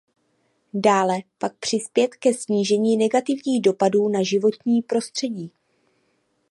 Dále pak přispět ke snížení negativních dopadů na životní prostředí.